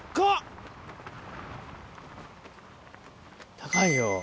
高いよ。